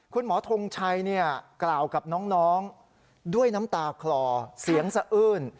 คุณหมอทงชัยกล่าวกับน้องด้วยน้ำตาคลอเสียงสะอื้น